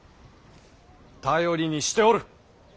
頼りにしておる！